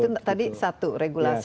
itu tadi satu regulasi yang lain